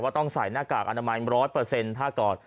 ว่าต้องใส่หน้ากากอนามัย๑๐๐